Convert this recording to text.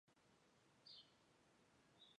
戈耳狄俄斯原本是农夫出身。